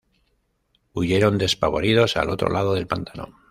Huyeron despavoridos al otro lado del pantano.